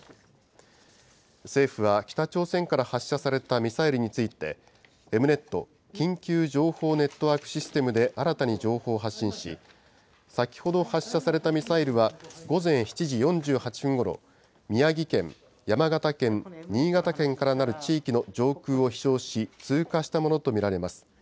政府は北朝鮮から発射されたミサイルについて、Ｅｍ−Ｎｅｔ・緊急情報ネットワークシステムで新たに情報を発信し、先ほど発射されたミサイルは午前７時４８分ごろ、宮城県、山形県、新潟県からなる地域の上空を飛しょうし、通過したものと見られます。